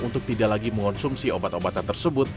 untuk tidak lagi mengonsumsi obat obatan tersebut